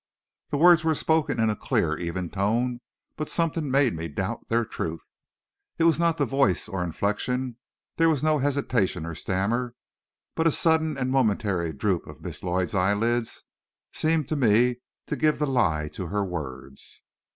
The words were spoken in a clear, even tone; but something made me doubt their truth. It was not the voice or inflection; there was no hesitation or stammer, but a sudden and momentary droop of Miss Lloyd's eyelids seemed to me to give the lie to her words.